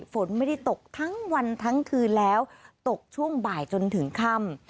ฝนไม่ได้ตกทั้งวันทั้งคืนแล้วตกช่วงบ่ายจนถึงค่ำ